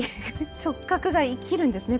直角が生きるんですね